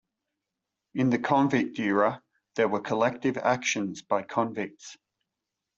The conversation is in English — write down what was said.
In the convict era, there were collective actions by convicts.